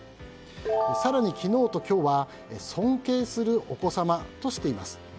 更に昨日と今日は尊敬するお子様としています。